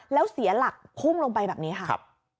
แล้วเสียหลักพุ่งลงไปแบบนี้ค่ะ